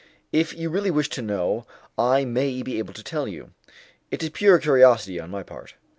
"If you really wish to know, I may be able to tell you." "It is pure curiosity on my part."